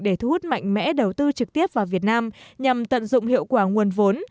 để thu hút mạnh mẽ đầu tư trực tiếp vào việt nam nhằm tận dụng hiệu quả nguồn vốn